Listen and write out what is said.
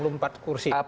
plan c yang ditutup